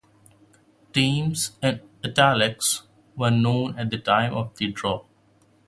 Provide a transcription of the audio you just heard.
Teams in "Italics" were unknown at the time of the draw.